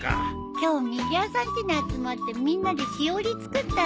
今日みぎわさんちに集まってみんなでしおり作ったんだ。